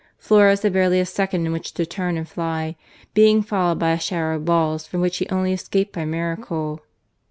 Flores had barely a second in which to turn and fly,, being followed by a shower of balls from which he only escaped by miracle.